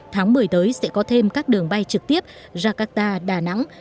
tháng một mươi tới sẽ có thêm các đường bay trực tiếp jakarta đà nẵng